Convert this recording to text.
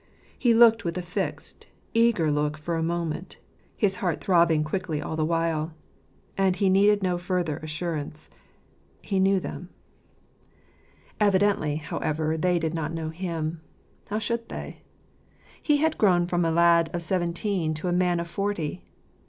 He looked with a fixed, eager look for a moment, his heart throbbing quickly all the while ; and he needed no further assurance :■" he knew them." spiikc sung Mg to item." 85 Evidently, however, they did not know him. How should they ? He had grown from a lad of seventeen to a man of forty.